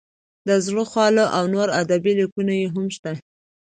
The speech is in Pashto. د زړه خواله او نور ادبي لیکونه یې هم شته.